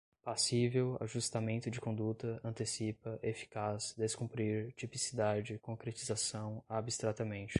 passível, ajustamento de conduta, antecipa, eficaz, descumprir, tipicidade, concretização, abstratamente